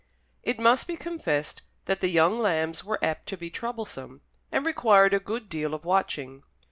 It must be confessed that the young lambs were apt to be troublesome, and required a good deal of watching.